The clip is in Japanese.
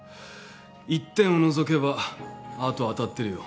一点を除けばあとは当たってるよ。